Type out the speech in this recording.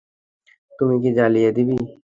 তুই কি জ্বালিয়ে দিবি?